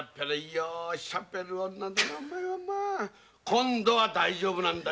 今度は大丈夫なんだ。